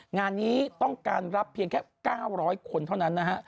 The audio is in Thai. งานนี้ต้องการรับเพียงแค่๙๐๐คนเท่านั้นนะฮะ